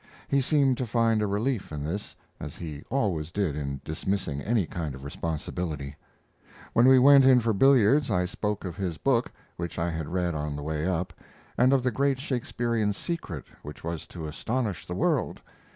He seemed to find a relief in this, as he always did in dismissing any kind of responsibility. When we went in for billiards I spoke of his book, which I had read on the way up, and of the great Shakespearian secret which was to astonish the world.